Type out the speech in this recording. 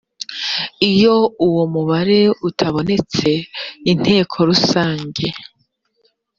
iyo uwo mubare utabonetse inteko rusange